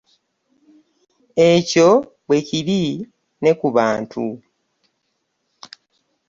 Ekyo bwe kiri ne ku bantu.